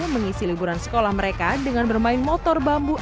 mengisi liburan sekolah mereka dengan bermain motor bambu